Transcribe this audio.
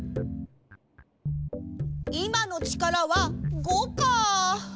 いまの力は５か。